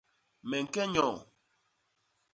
Me ñke nyoo.